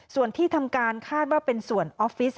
ส่วนที่ทำการคาดว่าเป็นส่วนออฟฟิศ